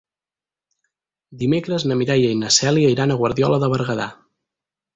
Dimecres na Mireia i na Cèlia iran a Guardiola de Berguedà.